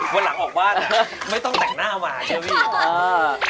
วันหลังออกบ้านไม่ต้องแต่งหน้าหวานใช่ไหมพี่